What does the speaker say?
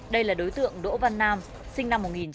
đây là đối tượng đỗ văn nam sinh năm một nghìn chín trăm tám mươi